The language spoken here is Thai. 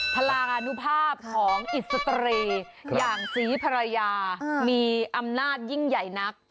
พลังอนุภาพของอิสเตรย์อย่างศรีภรรยามีอำนาจยิ่งใหญ่นัก